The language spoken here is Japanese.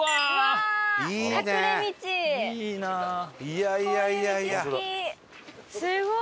いやいやいやいや。